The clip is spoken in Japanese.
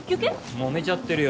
もめちゃってるよ